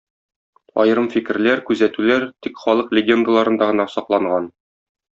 Аерым фикерләр, күзәтүләр тик халык легендаларында гына сакланган.